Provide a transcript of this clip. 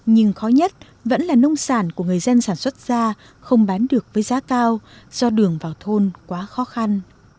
nhưng khó nhất vẫn là nông sản của người dân sản xuất ra không bán được với giá cao do đường vào thôn quá khó khăn